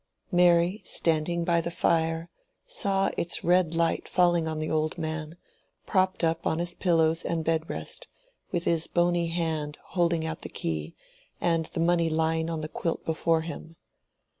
Mary, standing by the fire, saw its red light falling on the old man, propped up on his pillows and bed rest, with his bony hand holding out the key, and the money lying on the quilt before him.